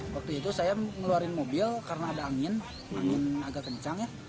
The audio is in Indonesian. waktu itu saya ngeluarin mobil karena ada angin angin agak kencang ya